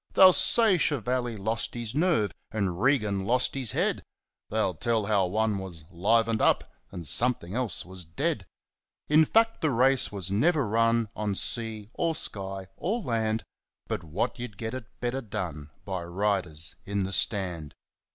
They'll say Chevalley lost his nerve, and Regan lost his head; They'll tell how one was ŌĆ£livened upŌĆØ and something else was ŌĆ£deadŌĆØ In fact, the race was never run on sea, or sky, or land, But what you'd get it better done by riders in the Stand.